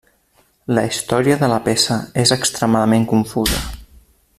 La història de la peça és extremadament confusa.